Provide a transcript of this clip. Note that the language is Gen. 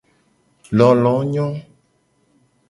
Lolo nyo.